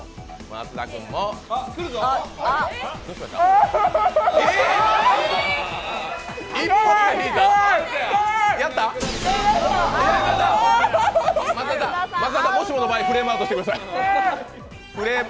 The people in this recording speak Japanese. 松田さん、もしもの場合、フレームアウトしてください。